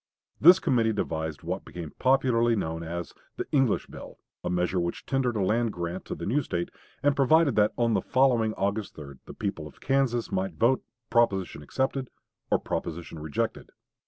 This committee devised what became popularly known as the "English bill," a measure which tendered a land grant to the new State, and provided that on the following August 3d the people of Kansas might vote "proposition accepted" or "proposition rejected."